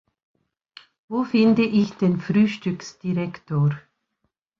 Wo finde ich den Frühstücksdirektor?